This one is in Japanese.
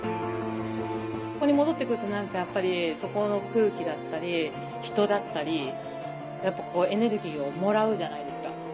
ここに戻って来ると何かやっぱりそこの空気だったり人だったりエネルギーをもらうじゃないですか。